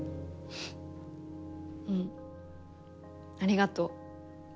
うんありがとう。